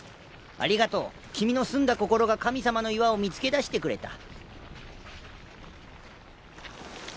ありがとう君の澄んだ心が神様の岩を見つけ出してくれた。